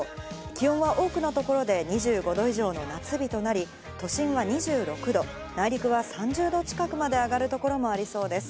気温は多くの所で２５度以上の夏日となり、都心は２６度、内陸は３０度近くまで上がる所もありそうです。